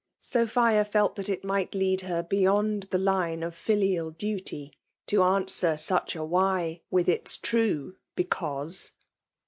V Sophia felt that it might lead her beyond the line of filial duty to answer sudi a '' Why*' with ils true * Because.